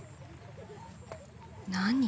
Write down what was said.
何？